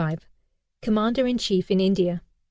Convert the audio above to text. Commander in chief in India.